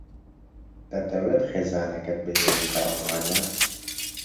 دەتەوێت خێزانەکەت بهێنیتە ئەڵمانیا؟